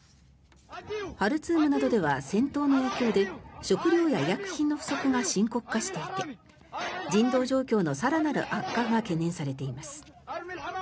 ハルツームなどでは戦闘の影響で食料や医薬品の不足が深刻化していて人道状況の更なる悪化が懸念されています。